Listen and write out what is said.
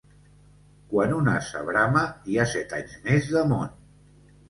Quan un ase brama hi ha set anys més de món.